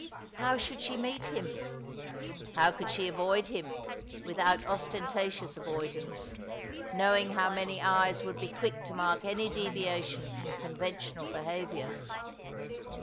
How should she meet him ? How could she avoid him, without ostentatious avoid ance, knowing how many eyes would be quick to mark any deviation from conventional behaviour?